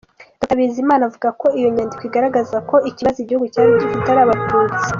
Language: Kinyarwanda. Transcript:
Dr Bizimana avuga ko iyo nyandiko igaragaza ko ikibazo igihugu cyari gifite ari Abatutsi.